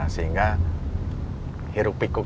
sehingga hirup pikuk ya ya